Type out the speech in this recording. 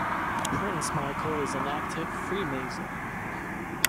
Prince Michael is an active Freemason.